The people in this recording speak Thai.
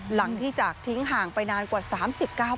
หลังที่จากทิ้งห่างไปนานกว่า๓๙ปีเลยทีเดียวค่ะ